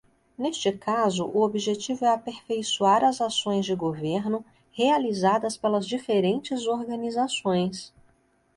Neste caso, o objetivo é aperfeiçoar as ações de governo realizadas pelas diferentes organizações.